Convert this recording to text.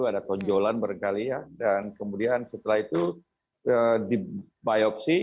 ada tonjolan berkali kali dan kemudian setelah itu dibiopsi